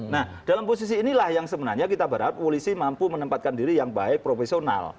nah dalam posisi inilah yang sebenarnya kita berharap polisi mampu menempatkan diri yang baik profesional